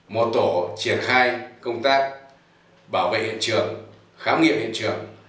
một tổ triển khai công tác bảo vệ hiện trường khám nghiệm hiện trường